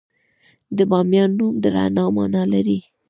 د بامیان نوم د رڼا مانا لري